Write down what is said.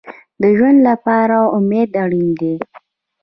د ژوند لپاره امید اړین دی